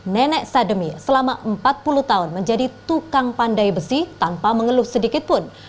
nenek sademi selama empat puluh tahun menjadi tukang pandai besi tanpa mengeluh sedikitpun